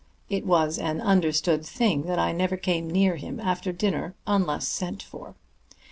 It was an understood thing that I never came near him after dinner unless sent for.